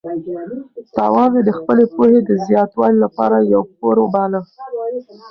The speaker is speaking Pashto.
تاوان مې د خپلې پوهې د زیاتوالي لپاره یو پور وباله.